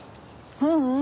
ううん。